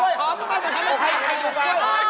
กล้วยหอมด้วยมันทำให้ใช่ไข่ไก่ถูกกว่า